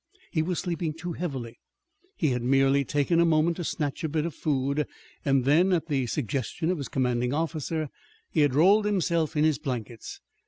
He was sleeping too heavily. He had merely taken a moment to snatch a bit of food, and then, at the suggestion of his commanding officer, he had rolled himself in his blankets.